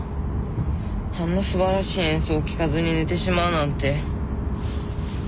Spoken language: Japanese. あんなすばらしい演奏を聴かずに寝てしまうなんて。